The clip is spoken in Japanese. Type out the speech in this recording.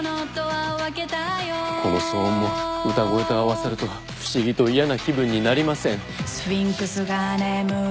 この騒音も歌声と合わさると不思議と嫌な気分になりません。